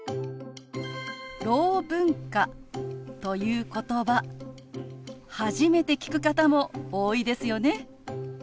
「ろう文化」ということば初めて聞く方も多いですよね。